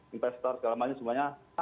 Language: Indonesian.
investor segala macam semuanya